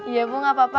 iya bu gak apa apa